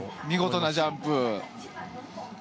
見事なジャンプ。